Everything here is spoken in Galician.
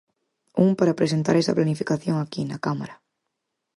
Un, para presentar esa planificación aquí, na Cámara.